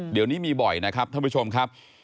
เดี๋ยวนี้มีบ่อยนะครับท่านผู้ชมครับ